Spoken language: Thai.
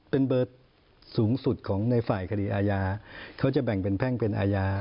เป็นเบอร์สูงสุดของในฝ่ายคดีอาญาเขาจะแบ่งเป็นแพ่งเป็นอาญา